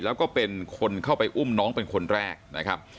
แล้วก็เป็นคนเข้าไปอุ้มน้องเป็นคนแรกนะครับ